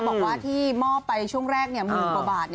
บอกว่าที่มอบไปช่วงแรก๑๐๐๐๐บาท